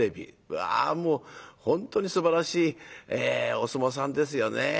うわもう本当にすばらしいお相撲さんですよね。